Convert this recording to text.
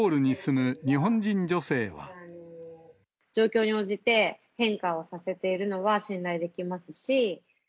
状況に応じて、変化をさせているのは信頼できますし。